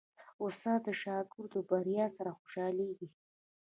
استاد د شاګرد د بریا سره خوشحالېږي.